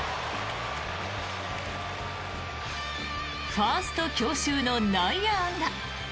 ファースト強襲の内野安打。